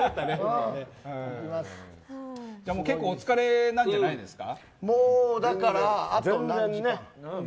結構お疲れなんじゃないんですか。